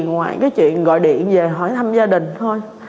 ngoài cái chuyện gọi điện về hỏi thăm gia đình thôi